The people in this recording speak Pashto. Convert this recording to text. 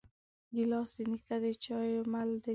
ګیلاس د نیکه د چایو مل وي.